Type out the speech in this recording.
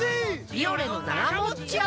「ビオレ」のながもっち泡！